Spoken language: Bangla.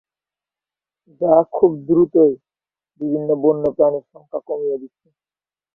যা খুব দ্রুত বিভিন্ন বন্যপ্রাণীর সংখ্যা কমিয়ে দিচ্ছি।